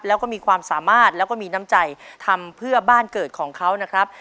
แล้วก็มีความสามารถแล้วก็มีน้ำใจทำเพื่อบ้านเกิดของเขานะครับ